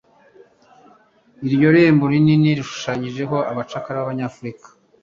Iryo rembo rinini rishushanyijeho abacakara b'Abanyafurika